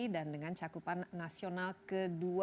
dan dengan cakupan nasional tersebut